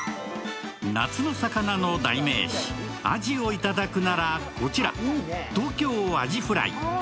夏の魚の代名詞・アジをいただくなら、こちらトーキョーアジフライ。